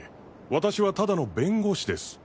私はただの弁護士です。